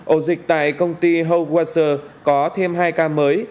ổ dịch tại công ty hopewater có thêm hai ca mới